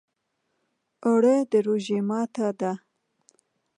اوړه د روژې ماته ده